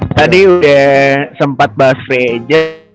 tadi udah sempet bahas free agent